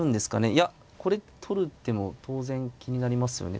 いやこれ取る手も当然気になりますよね。